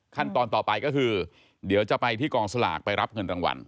ขั้นตอนต่อไปก็คือเดี๋ยวจะไปที่กองสลากไปรับเงินรางวัล